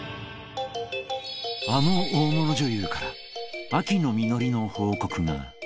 あの大物女優から秋の実りの報告が